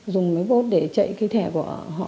dùng máy post để chạy cái thẻ của họ